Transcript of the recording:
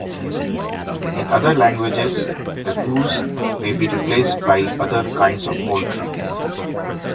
In other languages, the "goose" may be replaced by other kinds of poultry.